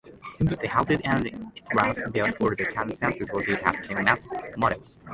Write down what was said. The houses and interiors built for the cut scenes were built as scale models.